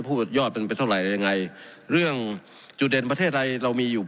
ยอดมันเป็นเท่าไหร่ยังไงเรื่องจุดเด่นประเทศไทยเรามีอยู่